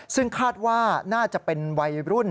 ซึ่งคาดว่าน่าจะเป็นวัยรุ่น